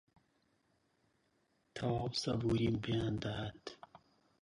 تەواو سەبووریم پێیان دەهات